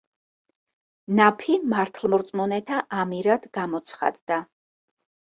ნაფი მართლმორწმუნეთა ამირად გამოცხადდა.